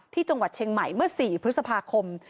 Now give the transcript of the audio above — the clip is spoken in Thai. ที่จังหวัดเชียงใหม่เมื่อ๔พฤษภาคม